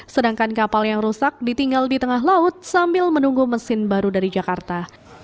sedangkan kapal yang rusak ditinggal di tengah laut sambil menunggu mesin baru dari jakarta